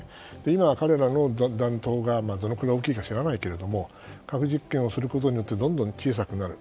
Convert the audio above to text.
今、彼らの弾頭がどのくらい大きいか知らないけれども核実験をすることでどんどん小さくなる。